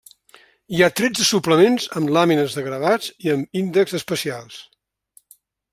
Hi ha tretze suplements amb làmines de gravats i amb índex especials.